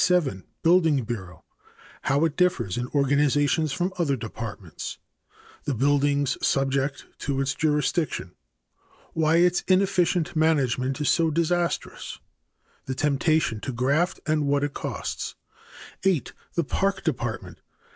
Building Bureau. How it differs in organization from other departments. The buildings subject to its jurisdiction. Why its inefficient management is so disastrous. The temptation to graft and what it costs. 8. The Park Department.